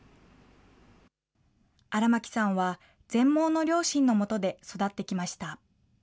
荒牧さんは全盲の両親のもとで育ってきました。